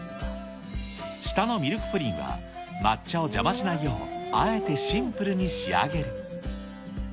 下のミルクプリンは、抹茶を邪魔しないよう、あえてシンプルに仕上げる。